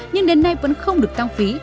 nhưng đến nay vẫn không được tăng phí